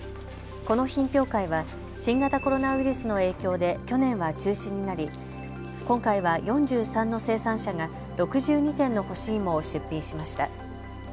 この品評会は新型コロナウイルスの影響で去年は中止になり、今回は４３の生産者が６２点の干し芋を出品しました。